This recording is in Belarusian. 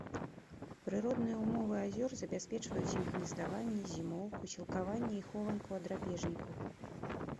Прыродныя ўмовы азёр забяспечваюць ім гнездаванне, зімоўку, сілкаванне і хованку ад драпежнікаў.